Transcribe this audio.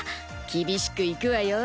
厳しくいくわよ。